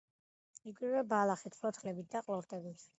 იკვებება ბალახით, ფოთლებით და ყლორტებით.